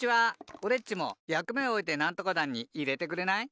おれっちもやくめをおえてなんとか団にいれてくれない？